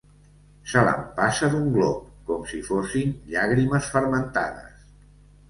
Se l'empassa d'un glop, com si fossin llàgrimes fermentades.